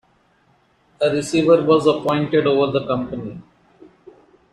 A receiver was appointed over the company.